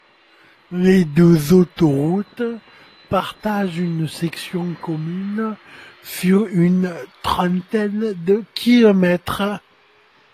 Les deux autoroutes partagent une section commune sur une trentaine de kilomètres.